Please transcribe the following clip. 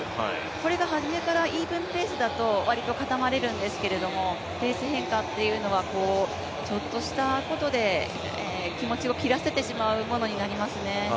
これが初めからイーブンペースだと割と固まれるんですけど、ペース変化というのは、ちょっとしたことで気持ちを切らせてしまうものになりますね。